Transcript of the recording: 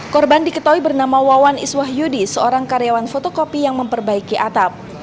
korban diketahui bernama wawan iswah yudi seorang karyawan fotokopi yang memperbaiki atap